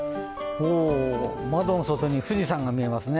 窓の外に富士山が見えますね。